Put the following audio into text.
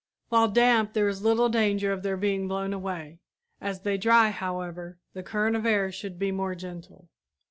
While damp there is little danger of their being blown away. As they dry, however, the current of air should be more gentle.